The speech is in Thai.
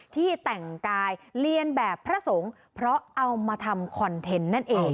ที่แต่งกายเรียนแบบพระสงฆ์เพราะเอามาทำคอนเทนต์นั่นเอง